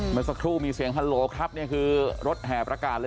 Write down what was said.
เมื่อสักครู่มีเสียงฮัลโหลครับเนี่ยคือรถแห่ประกาศเลย